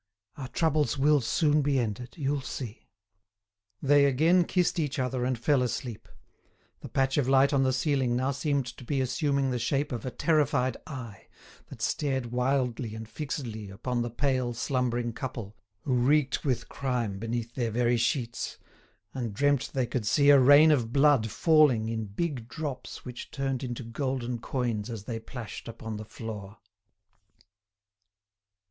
Our troubles will soon be ended, you'll see." They again kissed each other and fell asleep. The patch of light on the ceiling now seemed to be assuming the shape of a terrified eye, that stared wildly and fixedly upon the pale, slumbering couple who reeked with crime beneath their very sheets, and dreamt they could see a rain of blood falling in big drops which turned into golden coins as they plashed upon the floor.